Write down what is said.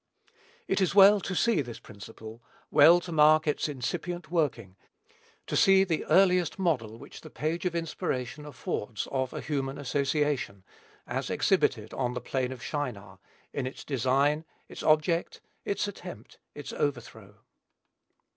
It is well to see this principle, well to mark its incipient working, to see the earliest model which the page of inspiration affords of a human association, as exhibited on the plain of Shinar, in its design, its object, its attempt, its overthrow.